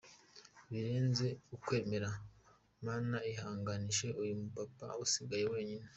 Birenze ukwemera! Mana ihanganishe uyumu papa usigaye wenyine.